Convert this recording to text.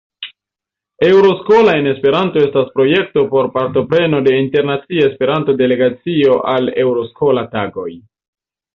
Euroscola-en-Esperanto estas projekto por "partopreno de internacia Esperanto-delegacio al Euroscola-tagoj".